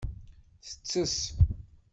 Tettess.